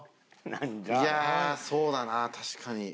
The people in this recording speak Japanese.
いやあそうだな確かに。